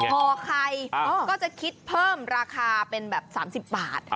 ห่อไข่ก็จะคิดเพิ่มราคาเป็นแบบ๓๐บาท